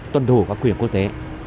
tuân thủ các quyền quốc tế